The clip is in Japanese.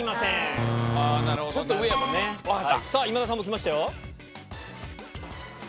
ピンポン今田さんも来ましたよ。